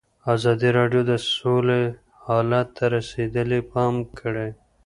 ازادي راډیو د سوله حالت ته رسېدلي پام کړی.